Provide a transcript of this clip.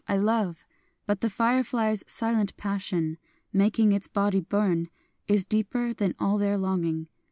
I love /"— but the Firefly'' s silent passion, Making its body burn, is deeper than all their longing.